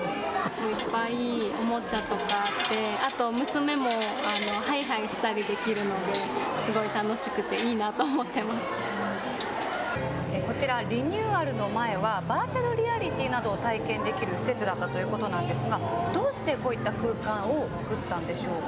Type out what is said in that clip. いっぱいおもちゃとかあってあと娘もハイハイしたりできるのですごく楽しくていいなこちら、リニューアルの前はバーチャルリアリティーなどを体験できる施設だったということなんですがどうして、こういった空間をつくったんでしょうか。